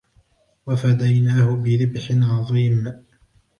وَفَدَيْنَاهُ بِذِبْحٍ عَظِيمٍ